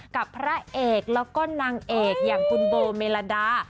กับพระเอกแล้วก็นางเอกอย่างคุณโบเมลดา